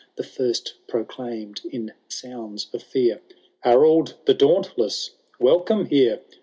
The first proclaimed, in sounds of fear, ' Harold the Dauntless, welcome here